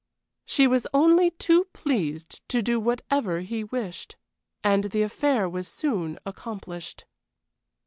She was only too pleased to do whatever he wished. And the affair was soon accomplished.